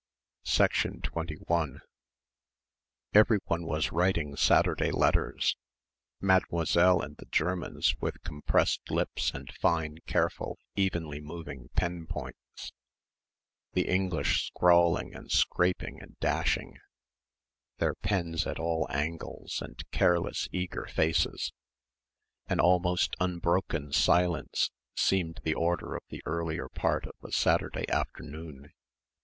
21 Everyone was writing Saturday letters Mademoiselle and the Germans with compressed lips and fine careful evenly moving pen points; the English scrawling and scraping and dashing, their pens at all angles and careless, eager faces. An almost unbroken silence seemed the order of the earlier part of a Saturday afternoon.